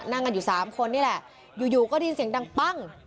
นั่งกันอยู่๓คนนี่แหละอยู่ก็ได้ยินเสียงดังปั้ง